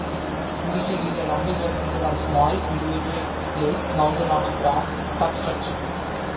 Initially, the numbers were printed on small, individual plaques mounted on a brass substructure.